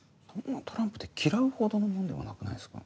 トランプって嫌うほどのもんでもなくないですか？